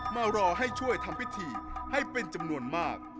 มารอให้ช่วยทำพิธีให้เป็นจำนวนมาก